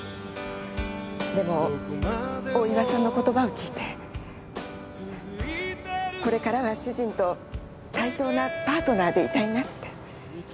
でも大岩さんの言葉を聞いてこれからは主人と対等なパートナーでいたいなって。